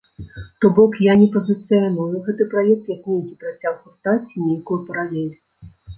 То бок, я не пазіцыяную гэты праект, як нейкі працяг гурта ці нейкую паралель.